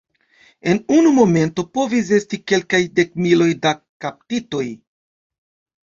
En unu momento povis esti kelkaj dekmiloj da kaptitoj.